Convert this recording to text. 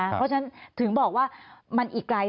เพราะฉะนั้นถึงบอกว่ามันอีกไกล